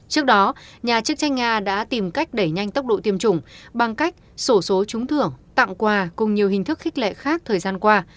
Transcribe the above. trước đó nhà chức trách nga đã tìm cách đẩy nhanh tốc độ tiêm chủng bằng cách sổ số trúng thưởng tặng quà cùng nhiều hình thức khích lệ khác thời gian qua